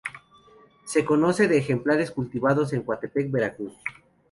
Se conoce de ejemplares cultivados en Coatepec, Veracruz.